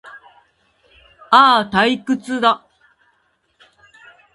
ああ、退屈だ